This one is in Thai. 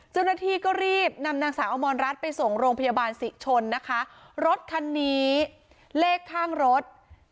เจ้าหน้าที่ก็รีบนำนางสาวอมรรัฐไปส่งโรงพยาบาลศรีชนนะคะรถคันนี้เลขข้างรถ